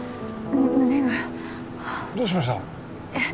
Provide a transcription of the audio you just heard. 胸がどうしました？